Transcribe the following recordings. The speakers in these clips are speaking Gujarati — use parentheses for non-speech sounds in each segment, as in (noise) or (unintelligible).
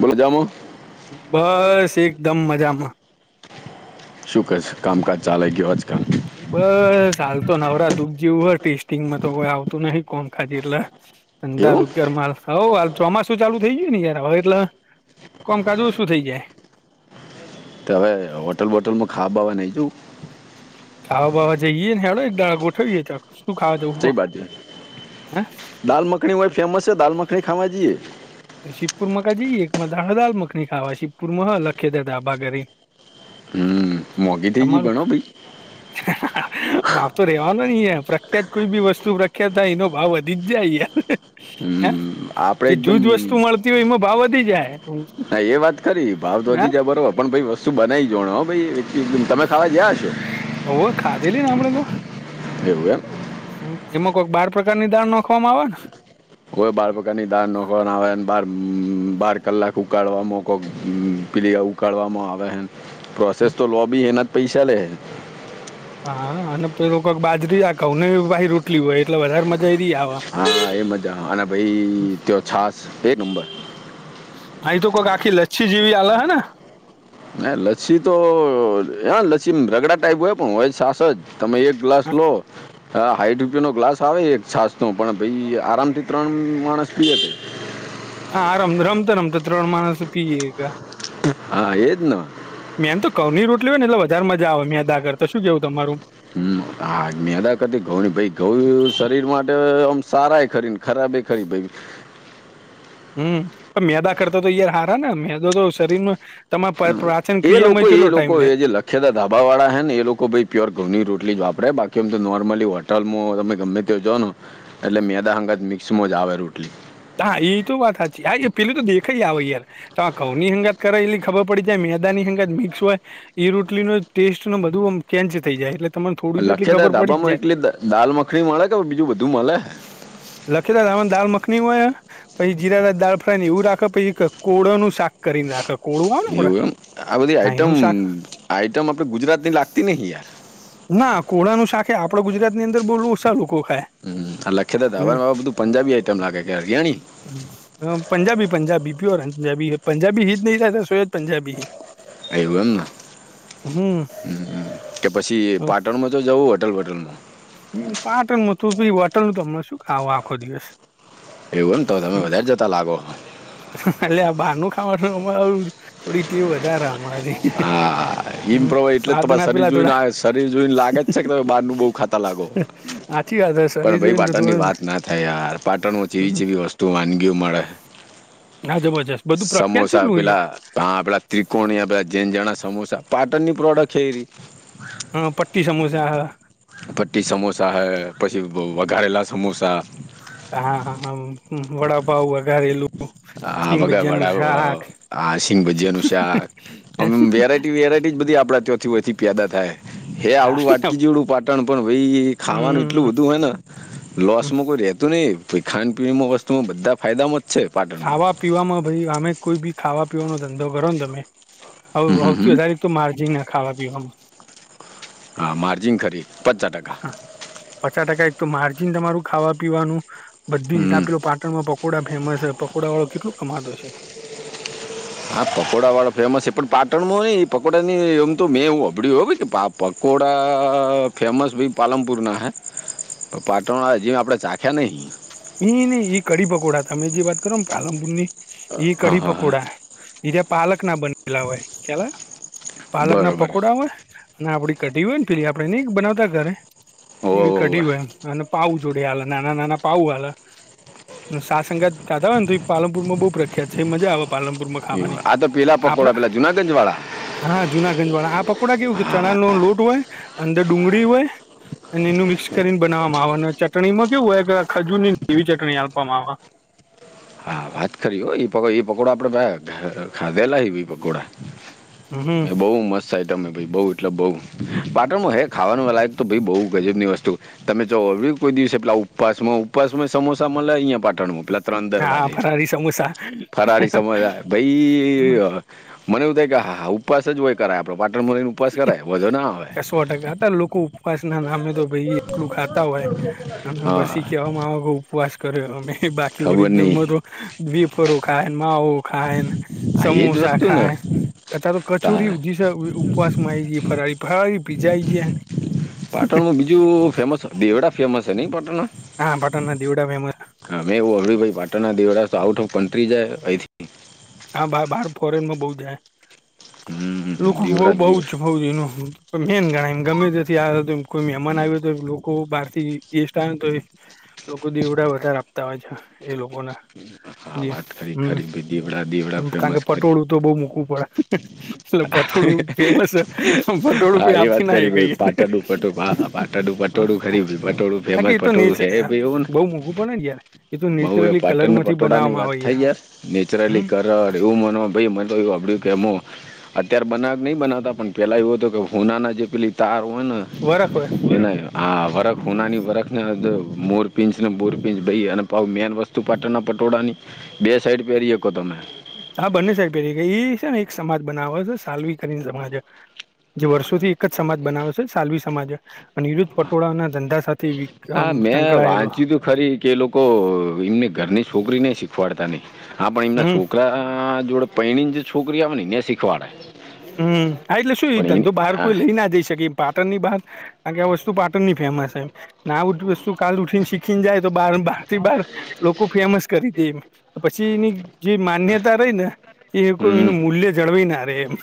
બોલો જામો. બસ એકદમ મજામાં. શુ કે છે કામકાજ ચાલે કે એવાજ કામ. બસ હાલ તો નવરા દુઃખ જેવું હો ટેસ્ટિંગમાં તો કોઈ આવતું નહિ કોણ ખાધેલા. હ (unintelligible) તંધા રોજગાર મા (inaudible) હવ હાલ ચોમાસું ચાલુ થઈ જાય ને યાર હવે એટલે કમકાજ શું થઈ જાય. તો હવે હોટલ બોટલમાં ખાવાવા નહીં જઉં‌. ખાવા બાવા જઈએ ને હેડો એક દાડા ગોઠવી જે તો શું ખાવ જ‌ઉ હો કો કઈ બાજુ હે. દાલ મખની વ ભાઈ ફેમસ છે દાલ મખની ખાવા જઈએ. તો શિવપુર મકા જઈએ એક દાલ મખની ખાવા શિવપુરમાં હ લખે દરા ભર. હમ મોંઘી થઇ ગય ભણ ભાઈ. (unintelligible) ભાવ તો રેવાનો નઈ પ્રખ્યાત કોઈ બી વસ્તુ પ્રખ્યાત થાય એનો ભાવ વધી જ જાય યાર. હ હમ આપણે જે એકદમ જૂજ વસ્તુ મળતી હોય એમાં ભાવ વધી જાય. ના એ વાત ખરી ભાવ તો હે વધી જાય બરોબર પણ ભ‌ઈ વસ્તુ બનાવી જો તમે ખાવા જયા હ છો. હવવે ખાધેલીઈ ને આપડે તો. એવું એમ. એમાં કોઈક બાર પ્રકારની દાળ નાખવામાં આવે. કોઈ બાળપકારની દાર નખવા ના આવે બાર બાર કલાક ઉકાળવા મોકો. પીલી આવું ઉકાળવામાં આવે ને પ્રોસેસ તો લો બી એના જ પૈસા લેે. હા અને પેલું કક બાજરી આ કઉ ભાઈ રોટલી હોય એટલે વધારે મજા. એરી આવે હા એ મજા અને ભઈ તે છાશ એક નંબર. અહી તો કોઈક આખી લચ્છી જેવી આલે હે ને. હે લચ્છી તો હા લચ્છી રગડા ટાઈપ હોય પણ હોય સાસ જ તમે એક. ગ્લાસ લો. હા હાઈઠ રૂપયો નો ગ્લાસ આવે એક છાસ નો પણ ભઈ આરામ થી ત્રણ માણસ પીએ. હા રમ રમતો રમતો ત્રણ માણસ પી જ‌ઈ ઘા. હા એજ ન. મેમ તો ગઉ ની રોટલી હોય ને એટલે વધારે મજા આવે મેંદા કરતે તો શું કેવ તમારુ. હમ આજ ને મેંદા કરતી ઘઉં ની ભાઈ ઘઉ શરીર માટે ઓમ સારા એ ખરી. ખરાબી ખરી ભાઈ. હમ પણ મેદા કરતા તો યાર હારા ને મેદો તો શરીર મા. તમારા પ્રાચન ક્રિયામાં કેટલો ટાઈમ લે. છે ને ધાબાળા હેને એ લોકો ભઈ પ્યોર ઘઉંની રોટલી જ વાપરે બાકી એમ તો નોર્મલી હોએ. ટલ મો ગમે તે જો ને એટલે મેદા હંગાથ મિક્સમાં જ આવે રોટલી. હા એ તો વાત સાચી હા પેલું તો દેખે જ આવે યાર. તો આ ઘઉ ની હંગત કયાએલી ખબર પડી જાય મેદા ની હંગાત મિક્સ હોય. એ રોટલી નો ટેસ્ટ નો બધું ઓમ ચેન્જ થઈ જાય એટલે. તમને થોડી તો એટલી લખે ખબર પડી જ તાબામાં એકટલી દાલ મખણી મળે કે બીજું બધું મળે. લખીતા રામણ દાલ મખની. હોય પછી જીરાદા દાળ ફ્રાય ને એવું રાખે પછી કોળો નું શાક કરીને રાખે. કોળું આવે ને આપડે એવું એમ આ બધી હા આઈટમ એનું શાક આઈટમ આપણે ગુજરાતની લાગતી નહિ યાર. ના કોળા નું શાખ આપે ગુજરાત ની અંદર બોલવું ઓછાલ લોકો ખાય. હ લખેતા હતા હમ હ ને બધું પંજાબી આઈટમ લાગે કે્યારેર. પંજાબી પંજાબી પ્યોર પંજાબી પંજાબી હી જ નહી રહેતા સોજ પંજાી હૈ. એવું એમ ના હમ હમ. કે પછી પાટણમાં તો જવું હોટલ વોટલમાં. હમ પાટ હતું પ વટલ નું તમ શું કે આવો આખો દિવસ. એવું એને તો તમે હમ વધારે જતા લાગો. એટલે આ બહારનું ખાવાનું થોડી તેવ વધારે હમણાં થી. હિમપ્રવાહ એટલે તમા સરી જોઈને થોડા આવે છે. શરીર જો લાગે છે કે તમે બહારનું બહુ ખાતા લાગો સાચી વાત હ પણ શરીર ભાઈ જોઈને તો બાટણ ની થોડું વાત ના થાય યાર. પાટણમાં જેવી હમ જેવી વસ્તુ વાનગીઓ મળે. હા જબરજસ્ત બધું પ્રખત જેટલું હોય. પણ આપડા ત્રિકોણીધા જેન જણા સમોસા. પાટણની પ્રોડક્ટ ખરી. હ પટ્ટી સમોસા હ હા પટ્ટી સમોસા હૈ પછી વઘારેલા સમોસા. હા વડા ભાવ વઘારેલું. આ સિંગ વગ ભજીયાનું વડા શાક આ શિંગ ભજ્જજી અનું શાક હમ વેરાટી. વેરાયટી જ બધી આપણા ત્યાંથી હો એથી પેદા થાય. હે આવડું વાટકી જેવડું પાટણ પણ ભાઈ ખાવાનું એટલું બધું હોય ને. લોસમાં કોઈ રેતું નહીિ ખાાન પીણીમાં વસ્તુમાં બધા ફાયદામાં જ છે પાટણમાં. ખાવા પીવામાં ભાઈ અમે કોઈ બી ખાવા પીવાનો ધંધો કરો ને તમે હ હમ હમ સૌથી વધારે. તો માર્જિન ના ખાવા પીવામાં. હા માર્જિન ખરી પચચાસ ટકા. પચાસ ટકા એક તો માર્જિન તમારું ખાવા પીવાનું બધીલો હમ પાક. પાણમાં પકોડા ફેમસ છે પકોડડાવાળો કેટલલો કમાતો છે. હા પકોડા વાળા ફેમસ છે પણ પાટણમાં હો એ પકોડાનીને એમ તો મેં એવું અબડ્યું હો પા. પકકોડા ફેમસ ભી પાલમપુરના હૈ. પાટણ જેમ આપડે ચાખ્યા નહી. એ નહી એ કડી પકોડા તમે જે વાત કરો પાલમપુર ની એ હા કડીી હા હા પકોડા. એજ પાલક ના બનેલા હોય કેલા પાલક ના બરોબર પકોડા હોય. અને આપડી કઢી હોય ને પેલી આપડે નને બનાવતા ઘરે હોવે એવી કઢ હોવે હોય એમ અને પાઉ. જોડ નાના નાના પાઉ. સાસંગા તાતા હોય ને તો પાલનપુરમાં બહુ પ્રખ્યાત છે મજા આવે. પાલનપુરમાં ખાવાની આ તો પેલા આપડા પકોડા પેલા જુનાગંજ વાળા. હા જુનાગંજ વાળા આ પકોડા કેવું કે ચણા નો લોટ હોય અંદર ડુંગળી હોય. અને એનું મિક્સ કરીને બનાવવામાં આવે ચટણી માં કેવું કે ખજૂર એવી ચટણી આપવામાં આવે. હા વાત કરી પકોડા આપડે ખાધેલા પકોડા. આવે. બઉ મસ્ત આઈતમ હે ભાઈ બઉ એટલે બઉ હમ પાટણમાં હે ખાવાનું લાયક તો ભાઈ બહુ ગજબની વસ્તુ. તમે જો હવે કોઈ દિવસે પેલા ઉપવાસમાં ઉપવાસમાં સમોસા મળે અહિયા પાટણમાં પેલા ત્રણ દર હા ફરારી સમોસા ફરાળી સમજાય ભાઈ મને એવું થાય કે હા હા ઉપવાસ જ હોય. કરાય આપણે પાટણમાં રહીને ઉપવાસ કરાય વધો ના આવે કસો ટકા હતા લોકો ઉપવાસ ના નામે તો ભાઈ આટલું ખાતા હોય અને હા પછી કેહેવામાં આવેઉ ઉપવાસ કર્યો અમે બાકી ખબર ઓરિજનલમાં નહીં તો વેફરો ખાય માવો ખાય હા એ જ સમોસા વસ્તુ ને ખાય અથ તો તારે કચોરી ઉપવાસ માં આઈ ગી ફરાળ ફરાડી પીજા આઈ ગાયા પાટણમાં બીજું ફેમસ દેવડા ફેમસ છે નહીં પાટણ ના હા પાટના દીવડા ફેમસ હા મે એવું હંભાળ્યું ભાઈ પાટણના દેવડા તો આઉટ ઓફ કન્ટ્રી જાય આઈ થી હા બાર બાર ફોરેનમાં બહું જાય હમ લોકો બહુ દેવડા બહુજ દેવડા હો (unintelligible) મેન ગણાય ગમે ત્યા થી આ કોઈ મહેમાન આવ્યુ હોય તો કો બહાર થી ગેસ્ટ આવે ને તો એ લોકો દેવડા વધારે આપતા હોય છે એ લોકો હા વાત ખરી (unintelligible) ખરી દેવડા દી કારણ કે પટોળું તો બહુ મુકું પડે એટલે પતોળું ફેમસ છે પણ પતોળું હા કોઈ એ આપી વાત ના કરી હકે ભાઈ પાટણનું પટોળું હા હા, પાટણનું અઈયા પટોળું ખરી ભાઈ પટોળું (unintelligible) ફેમસ કી એતો નીચ પટોળું બહું મોઘું પડે ને યાર એ તો બઉ એ નેચરલી કલર પાટણ ના માંથી પટોળા ની બનાવવામાં વાત આવે થઈ યાર નેચરલી હમ કરડ એવું મન ભાઈ મ તોયું આપડ કેમઓ અત્યારે બનાવ કે નહી બનાવતા પણ પેલા એવુ હતું કે હોનાના જે પેલી તાર હોય ને વરખ હોય એને આ વરખ હોનાની વરખ ને મોર પીંછને મોરપીંછ દઈએ અને ભાવ મેન વસ્તુ પાટણના પટોળાની બે સાઈડ પહેરી હકો તમે હા બંને સાઇડ પહેરી હકી ઈ છે ને એક સમાજ બનાવે છે સાલ્વી કરીને સમાજ હે જો વર્ષો થી એક જ સમાજ બનાવે છે સાલવી સમાજે અને વિરુદ્ધ પટોળા ના ધંધા સાથે તે વિક્રમ હા મેં સંકળાયેલો વાંચ્યું તું ખરી કે એ લોકો એની ઘરની છોકરીને શીખવાડતા નહીં હ પણ એમના હમ છોકરા જોડે પૈણી જે છોકરી આવે ને એને શીખવાડે હમ હા એટલે શું એ પણ એને ધંધો બહાર હા કોઈ લઈ ના જઈ શકે પાટણ ની બહાર કણ કે આ વસ્તુ પાટણ ની ફેમસ છે ના ઉ વસ્તુ કાલ ઉઠીને શીખી ને જાય તો બારાર થી બાર લોકો ફેમસ કરી દે એમ પછી એની જે માન્યતા રહી ને એ કોઈ હમ એનું મૂલ્ય જળવાઈ ના રે એમ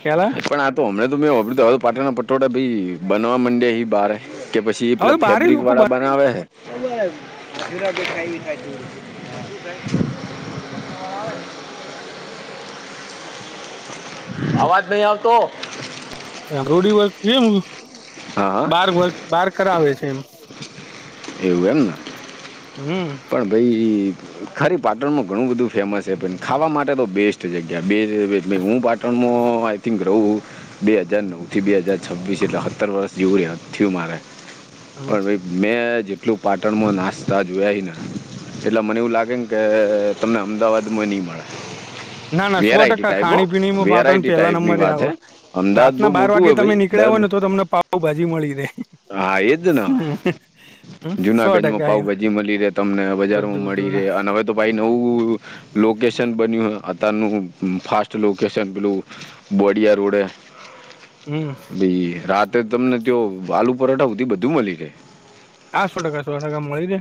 ખ્યાલ આયો પણ આ તો અમેં તો મેં હામળયું હે તો પાટણ ના પટોળા ભાઈ બનવા માંડે અહી બારે કે પછી એ આયો હવે પેલા તો બારે ફેબ્રિક લોકો વાળા બનાવે હે અવાજ નહી આવતો મ રોડી વર્ક જેમ હા હા બાર વક બાર કરાવે છે એમ એવું એમને હમ પણ ભાઈ ખરી પાટણ માં ઘણું બધું ફેમસ છે પણ ખાવા માટે તો બેસ્ટ જગ્યા બે હુંટ પણ (unintelligible) આઈ થિંક રહવું બે હાજાર નવ થી બે હાજાર છવ્વીસ એટલે સત્તર વર્ષ જેવું થયું મારે પણ ભાઈ મેં જેટલું પાટણમાં નાસ્તા જોયા હેને એટલે મને એવું લાગે ને કે તમને અમદાવાદમાં નઈ મળે ના ના સો વેરાયટી ટકા ટાઈપ હો ખાણીપીણીમાં પાટણ વેરાઈટી પહેલા ટાઈપ ની નંબરે વાત આવે હ અમદાવાદ રાતના બઉ બાર મોટું વાગે હોય તમે ભાઈ નીકળ્યા હોય દર ને તો તમને પાાવ ભાજી મળી રે હા એજ ને હમ, સો જુનાગંજમાં ટકા એમ પાઉભાજી મળી રહે તમને બધું બજારમાં મળી બધું રહે ને અને હવે તો ભાઈ નવું લોકેશન બન્યું. તનું ફાસ્ટ લોકેશન પીલું બોડિયા રોડે હમ એ રાતે તમને ત આલુ પરાઠાધી બધું મળી રે આસો ટકા સો ટકા મળી દે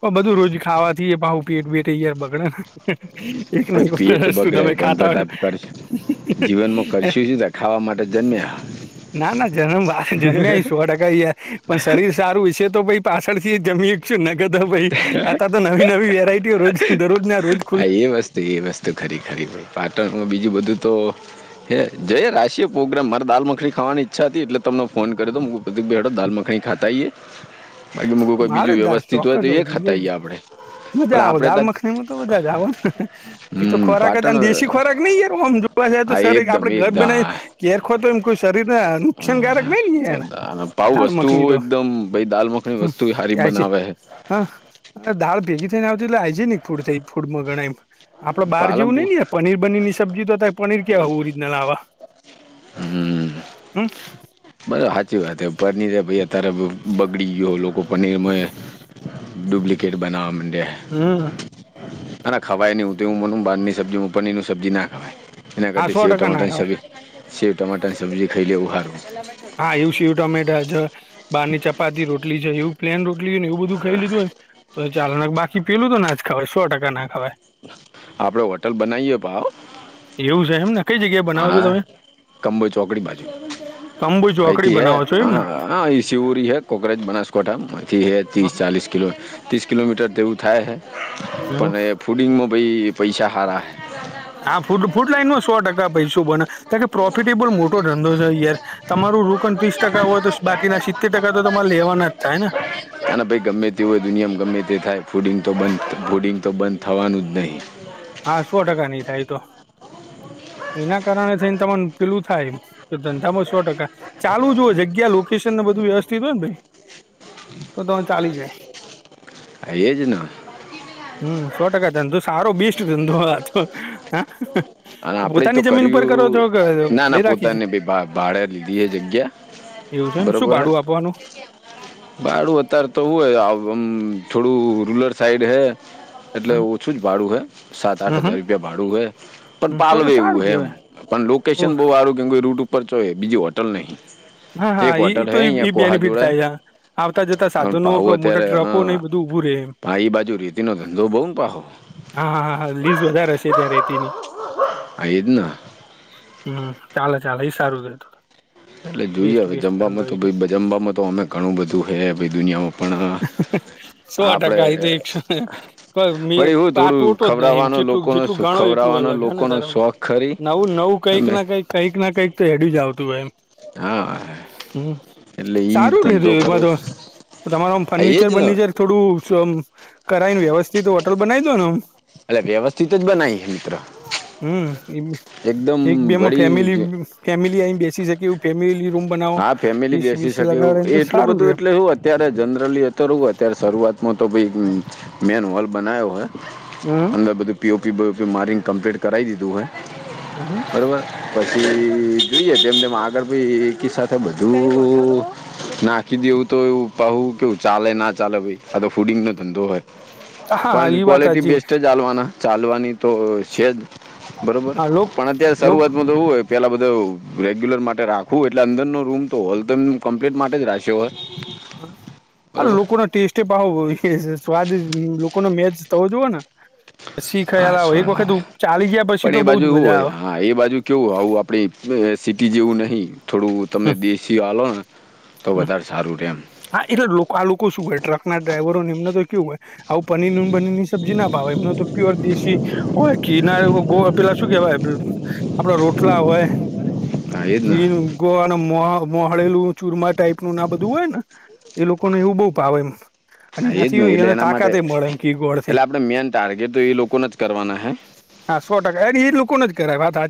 પણ બધું રોજ ખાવાથી ભાવ પેટ વેટયાર બગડે ને એક ન ભાઈ પેટ વસ્તું બગડે તમે પણ ખાતા હો તો તાપ કરશે જીવનમાં કરીશું સુું તો ખાવા માટે જન્મયા ના ના જન્મ વા જન્મેયા સો ટકા યાર પણ સર્વિસ સારું વિશે તો ભાઈ પાછળથી જમી (inaudible) નગતો ભાઈ આ તો નવી નવી વેરાઈટીઓ રોજ દરરોજ ના રોજ (unintelligible) આ એ વસ્તુ એ વસ્તુ ખરી ખરી ભ પાટણમાં બીજું બધું તો હે જય રાશિએ પ્રોગ્રામ મારે દાલ મખી ખાવાની ઈચ્છા હતી એટલે તમને ફોન કર્યો હતો. (inaudible) દાલ મખ ખાતાઈએ બાકી મુંઈ મારે બીજું દા વ્યવસ્થિત બધું ચોક્કસ હવે એ જઈ આવીએ હતાએ આપડે. પણ મજા આવો આપડે દાલ ત મખની માં તો મજા જ આવો ને એ તો હમ ખોરાક પાટણ અને દેશી ખોરાક નહીં એ આમજ તો હા સર એકદમ આપડે ઘર બનાવી કેર આખો તો એમ કોઈ શરીરને નુકસાનકારક નઈ એકદમ પાઉ (unintelligible) દાલ મખની તો? હમ. તુંઈ હારી બનાવે હૈ. હા દાળ ભેગી થઈને આવતી એટલે હાઈજેનિક ફૂડ થઈ ફૂડ ગણાયમ. આપડે બહાર જેવું પાલનપુર નહ ય પનીર બનીર ની સબ્જી તો થાય પનીર કેયા ઓરિજનલ આવા. હમ. હમ. બ સાચી વાત પનીરે ભાઈ અત્યારે બગડી ગયો લોકો પનીરમાં ડુપ્લિકેટ બનાવ માંડ્યા. હમ. અને ખવાય નહી હું તો હુંને બહારની સબ્જી હ પનીરની સબ્જી ના ખવા એના હા કરતાતી સો સેવે ટકા ના ટમેટાની ખાવાય સબ્જી સેવ ટમાટરની સબ્જી ખાઈ લઉ ઉહારું. હા એવું છે સેવ ટમેટા જ બહાર ની ચપાતી રોટલી જોયું પ્લેન રોટલી નેવ બધ ખ લીધું હોય તો ચાલો ને બાકી પેલું તો ના ખવાય સો ટકા ના ખવાય. આપડે હોટલ બનાવીએ ભાવ. એવું છે એમને? કઈ જગ્યાએ બનાવો છો હા તમે કમબઈ ચોકડી બાજુ કંબુ ચોકડી અથી હે બનાવો છો હ. એમને હા એ સિવરી હૈ કોકરેજ બનાસકોઠા મથી હૈ હા ત્રીસ ચાલીસ કિલો ત્રીસ કિલોમીટર તેવું થાય છે એવું પણ ફૂડિંગમાં ભાઈ પૈસા સારા. હા ફૂડ ફૂડ લાઈન માં સો ટકા પૈસો બને. કારણ કે પ્રોફિટેબલ મોટો ધંધો છે યાર તમારું રોકણ ત્રીસ ટકા હોય તો બાકીના સી તેર ટકા તો તમારે લેવાના જ થાય હ ને. હના ભાઈ ગમે તે હોય દુનિયામાં ગમે તે થાય ફૂડિંગ તો બંધ ફૂડિંગ તો બંધ થવાનું જ નહી. હા સો ટકા નની થાય તો. એના કારણે થઈને તમાર પલું થાય એમ કે ધંધામાં સો ટકા ચાલુ જુ જગ્યા લોકેશનને બધું વ્યવસ્થિત હોય ને ભાઈ તો તમે ચાલી જાય. હા એજ ને. હમ સો ટકા ધંધુ સારો બીસ્ટ ધંધો આતો હ. અને આપણેે તો કર્યું ના ભાડે ના રાખી છે પોતાને (inaudible) ભાડે લીધી એ જગ્યા. એવું છે એમ શું ભાડું આપવાનું? બાડું અત્યારે તો (unintelligible) થોડું રૂરલ સાઈડ હૈ. એટલે ઓછું જ ભાડું હે હમ સાત-આઠ હજાર હમ રૂપિયા ભાડું હે. પણ તો તો પાલવે એવું સારું એમ કેવાય પણ ઓ લોકેશન બહુ હારુ કેમ રૂટ ઉપર ચો બીજી હોટલ નહી. હા હા તો એ બેનિફિટ થાય છે આવતા જતા પણ સાધનો મોટા ટ્રકો ને એ બધું ઉઊભું રે એમ. પણ એ બાજુ રેતી નો ધંધો બહુ પાહો. હા હા હાા લીઝ વધારે હશે ત્યારે એટીની. અઈદ ન. હમ ચાલે ચાલે એ સારું છે. એટલે જોઈએ બેસ્ટ હવે બેસ્ટ ધંધો જમવામાં તો એ જમવામાં તો અમે ઘણું બધું હ દુનિયામાં પણ સો આપડે ટકા એ તો એક ભાઈ હું આ થોડું ટોટો જ નહી એમ ખભરાવાનું જેટલું લોકો ને જેટલું તો ગણો એટલું ખવડાવવાનો અલગ હ ને લોકોનો તારા શોખ ખરી નવું નવું કંઈક અમે ના કંઈક કઈક ના કંઈક તો એેડી જ આવતું હો એમ. હા. હમ એટલે ઈ સારું ધંધો રતું કરવો બધ. તમારું આમ એ ફર્નિચર જ ને બર્નિચર થોડું. કરાવ ને વ્યવસ્થિત હોટલ બનાવી દો નેમ. એલે વ્યવસ્થિત જ. બનાવી મિત્ર હમ એકદમ એ એક બેમાં ફેમિલી. વળી ફેમિલી આયન બેસી શકે એવુ ફેમિલી. રૂમ બનાવો હા ફેમિલી એસી બેસી બીસી શકે લગાડે એ તો એટલું સારું બધું રે એટલે શું હત. અત્યારે જનરલી અ તોવું હોય અત્યારે શરૂઆતમાં તો ભ મેન હોલ બના્યો હોય. હમ. અંદર બધું પીઓપી બપી મારીિંગ કમ્પ્લીટ કરાવી દીધું હોય હમ બરોબર. પછી જોઈએ તેમને આગળ ભી એક સાથે બધું. નાખી દેવું તો એવું કું કેવું ચાલે ના ચાલે ભાઈ આ તો ફૂડિંગ નો ધંધો હોય. હા હા પણ એ વાત ક્વોલિટી હાચી બેસ્ટ જ હાલવાના. ચાલવાની તો છે જ બરોબર હા લોક પણ અત્યારે લોક શરૂઆતમાં. તેવું હોય પેલા બધું રેગ્યુલર માટે રાખવું હોય. એટલે અંદરનોો રૂમ તો હોલ તો કમ્પ્લીટ માટે જ રાશે હોય. હા બરોબર લોકો ના ટેસ્ટ એ ભાવ સ્વાદ લોકો ન મેચ થવો જો ને. પછી ખ્યાલ હા આવો એક વખત સ્વામી ચાલી ગયા પછી પણ તો એ બઉુ જ બાજુ એવું મજા હોય આવે. હા એ બાજુ કેવું આવું આપણી સિટી જેવું નહીં. થોડું તમે દેશી વા લોો ને તો વધારે સારું રહે એમ. હા એ તો આ લોકો શું હોય ટ્રક ના ડ્રાઈવરો એમને તો કેવું હોય. આવું પનીર ન બનીર ની સબ્જી ના ભાવ એમનો તો પ્યોર દેશી. હોય કીરના ગો પેલા શું કેવાય આપડા રોટલા હોય. હા એ જ ને જીન. ગ અને મોળેલું ચુરમા ટાઈપનું ના બધું હોય ને એ લોકોને એવું બહ ભાવે. અને હા એજ નહ એનાથી એટલે એને એના માટે તાકાતે મળે એમ ઘી એટલે ગોળથી આપણેે મેન ટાર્ગેટ તો એ લોકોના જ કરવાના હૈ. હા સો ટકા અ એ લોકોને જ કરે વાત.